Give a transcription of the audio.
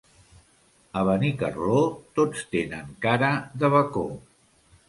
A Benicarló tots tenen cara de bacó.